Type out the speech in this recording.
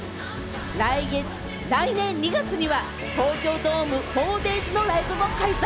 来年２月には東京ドーム４ｄａｙｓのライブも開催！